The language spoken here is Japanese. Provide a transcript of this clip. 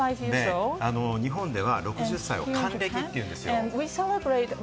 日本では６０歳を還暦って言うんですよ。